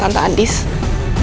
tante andis jangan